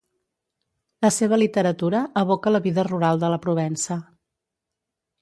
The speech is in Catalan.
La seva literatura evoca la vida rural de la Provença.